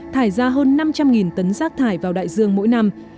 thải ra hơn năm trăm linh tấn rác thải vào đại dương mỗi năm